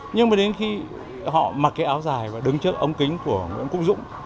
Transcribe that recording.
nhưng mà đến khi họ mặc cái áo dài và đứng trước ống kính của nguyễn quốc dũng